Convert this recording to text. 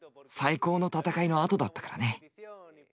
最高の戦いのあとだったからね。